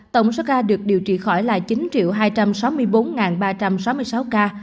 tổng số ca được điều trị khỏi là chín hai trăm sáu mươi bốn ba trăm sáu mươi sáu ca